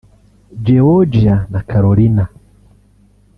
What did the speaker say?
Georgia na Carolina